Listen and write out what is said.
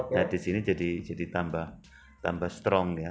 nah di sini jadi tambah strong ya